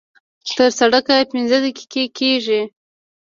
تر سړکه پينځه دقيقې لګېږي.